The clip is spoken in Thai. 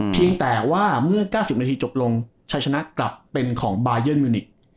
เพียงแต่ว่าเมื่อ๙๐นาทีจบลงชัยชนะกลับเป็นของบายันมิวนิก